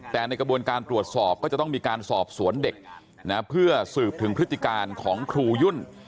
แต่ในกระบวนการตรวจสอบก็จะต้องมีการสอบสวนเด็กนะเพื่อสืบถึงพฤติการของครูยุ่น